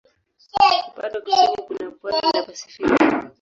Upande wa kusini kuna pwani na Pasifiki.